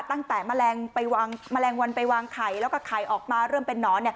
ตั้งแต่แมลงวันไปวางไข่แล้วก็ไข่ออกมาเริ่มเป็นนอน